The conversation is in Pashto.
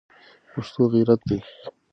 پښتو غیرت دی